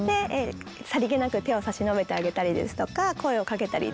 さりげなく手を差し伸べてあげたりですとか声をかけたり。